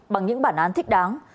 bằng những bản án thích đáng